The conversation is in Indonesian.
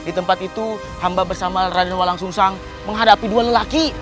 di tempat itu hamba bersama raden walang sungsang menghadapi dua lelaki